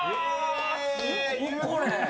すご、これ！